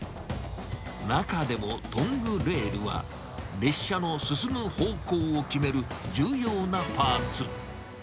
中でもトングレールは、列車の進む方向を決める重要なパーツ。